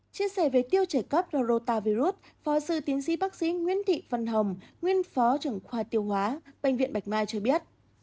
chia sẻ về tiêu chảy cấp đo rô ta virus phó sư tiến sĩ bác sĩ nguyễn thị phân hồng nguyên phó trưởng khoa tiêu hóa bệnh viện bạch mai cho biết